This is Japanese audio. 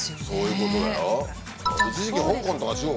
そういうことだよ。